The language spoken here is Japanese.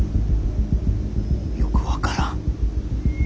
よく分からん。